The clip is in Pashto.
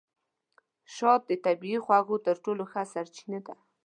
شات د طبیعي خوږو تر ټولو ښه سرچینه ده.